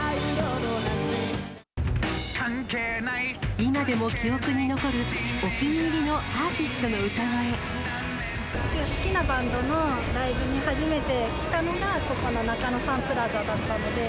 今でも記憶に残るお気に入り好きなバンドのライブに初めて来たのが、ここの中野サンプラザだったので。